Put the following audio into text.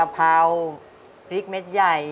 เพราพริกเม็ดใหญ่